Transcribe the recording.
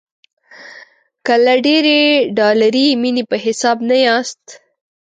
که له ډېرې ډالري مینې په حساب نه یاست.